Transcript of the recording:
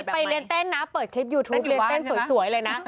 ไปเรียนเต้นนะเปิดคลิปยูทูปเรียนเต้นสวยเลยนะ